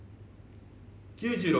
９６。